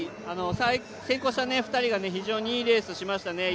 先行した２人が非常にいいレースをしましたね